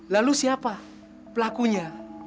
lalu siapa pelakunya